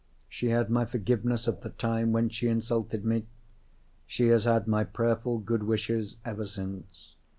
She had my forgiveness at the time when she insulted me. She has had my prayerful good wishes ever since.